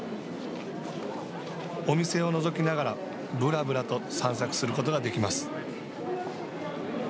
お店を除きながらぶらぶらと散策することができます。